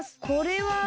これは。